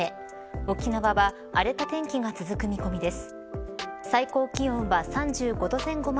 沖縄は荒れた天気が続く見込みです。